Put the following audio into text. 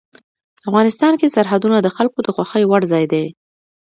افغانستان کې سرحدونه د خلکو د خوښې وړ ځای دی.